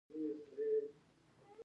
د ګوتو د درد لپاره د ګوتو مساج وکړئ